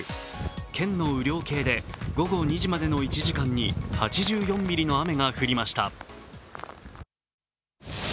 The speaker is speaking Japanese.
県の雨量計で午後２時までの１時間に８４ミリの雨が降りました。